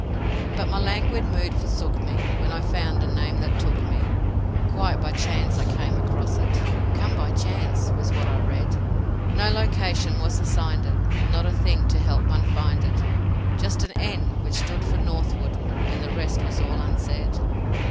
But my languid mood forsook me, when I found a name that took me, Quite by chance I came across it 'Come by Chance' was what I read; No location was assigned it, not a thing to help one find it, Just an N which stood for northward, and the rest was all unsaid.